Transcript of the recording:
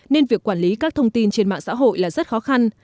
nên việc quản lý các thông tin trên mạng xã hội là rất khó khăn